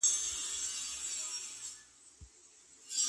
په قلم خط لیکل د ذهن او بدن ترمنځ پول جوړوي.